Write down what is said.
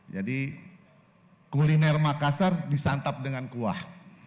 jadi kuliner makassar disantap dengan kuah